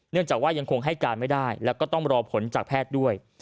จากว่ายังคงให้การไม่ได้แล้วก็ต้องรอผลจากแพทย์ด้วย